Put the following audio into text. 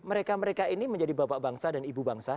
mereka mereka ini menjadi bapak bangsa dan ibu bangsa